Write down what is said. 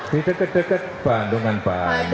di dekat dekat bandung kan banyak